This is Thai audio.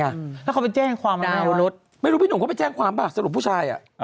แล้วเขาไปแจ้งความเป็นมนุษย์ไม่รู้พี่หนุ่มเขาไปแจ้งความป่ะสรุปผู้ชายอ่ะ